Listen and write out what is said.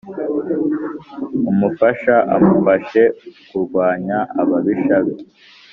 Umufasha amufashe kurwanya ababisha be